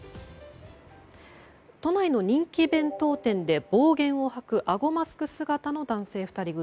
都内の人気弁当店で暴言を吐くあごマスク姿の男性２人組。